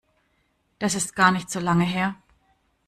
Das ist gar nicht so lange her.